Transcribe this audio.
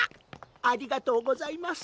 ありがとうございます。